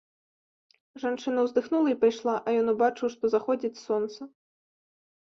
Жанчына ўздыхнула і пайшла, а ён убачыў, што заходзіць сонца.